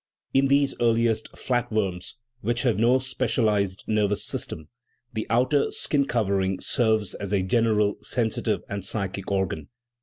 In these earliest flat worms, which have no specialized nervous system, the outer skin covering serves as a general sensitive and psychic organ.